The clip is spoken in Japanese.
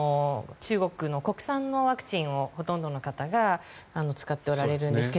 中国の国産のワクチンをほとんどの方が使っておられるんですが